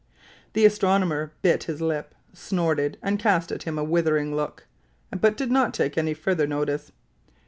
The astronomer bit his lip, snorted, and cast at him a withering look, but did not take any further notice.